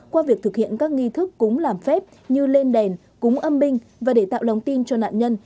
qua việc thực hiện các nghi thức cúng làm phép như lên đèn cúng âm binh và để tạo lòng tin cho nạn nhân